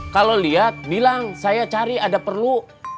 kalau lihat bilang saya cari ada perlu